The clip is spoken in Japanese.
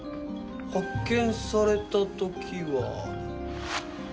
発見された時は。